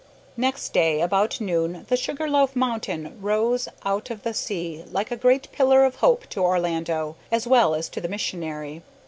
Next day about noon the Sugar loaf mountain rose out of the sea like a great pillar of hope to Orlando, as well as to the missionary.